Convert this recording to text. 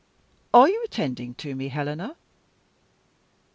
Are you attending to me, Helena?"